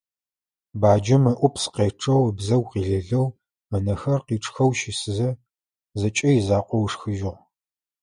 Баджэм ыӀупс къечъэу ыбзэгу къилэлэу, ынэхэр къичъхэу щысызэ, зэкӀэ изакъоу ышхыжьыгъ.